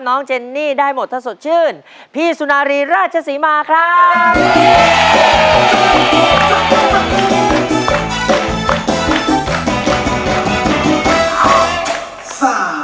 เจนนี่ได้หมดถ้าสดชื่นพี่สุนารีราชศรีมาครับ